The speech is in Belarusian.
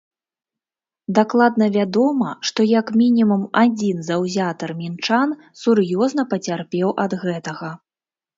Дакладна вядома, што як мінімум адзін заўзятар мінчан сур'ёзна пацярпеў ад гэтага.